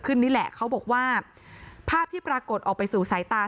นี่แหละเขาบอกว่าภาพที่ปรากฏออกไปสู่สายตา